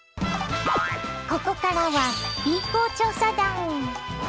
ここからはＢ公調査団。